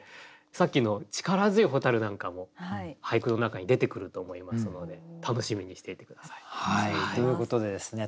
さっきの力強い蛍なんかも俳句の中に出てくると思いますので楽しみにしていて下さい。ということでですね